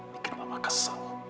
bikin papa kesal